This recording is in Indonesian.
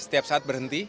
saya setiap saat berhenti